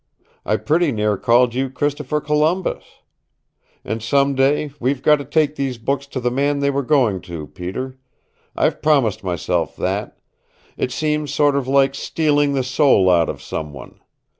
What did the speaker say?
I pretty near called you Christopher Columbus. And some day we've got to take these books to the man they were going to, Peter. I've promised myself that. It seems sort of like stealing the soul out of someone.